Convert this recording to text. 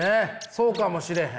そうかもしれへん。